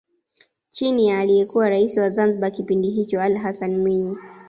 Chini ya aliyekuwa Rais wa Zanzibar kipindi hicho Ali Hassani Mwinyi